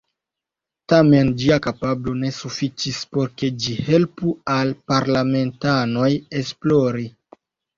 Tamen ĝia kapablo ne sufiĉis por ke ĝi helpu al parlamentanoj esplori.